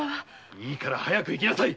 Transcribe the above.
いいから早く行きなさい！